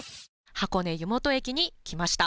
箱根湯本駅に来ました。